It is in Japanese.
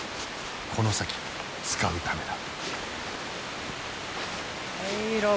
この先使うためだ。